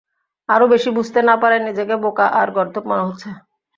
আরো বেশি বুঝতে না পারায় নিজেকে বোকা আর গর্দভ মনে হচ্ছে।